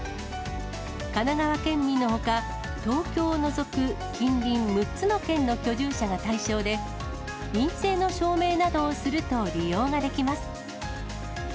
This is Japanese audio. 神奈川県民のほか、東京を除く近隣６つの県の居住者が対象で、陰性の証明などをすると利用ができます。